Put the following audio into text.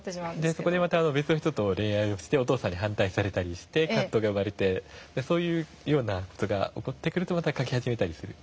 そこでまた別の人と恋愛をしてお父さんに反対されたりして葛藤が生まれてそういう事が起こってくるとまた書き始めたりする。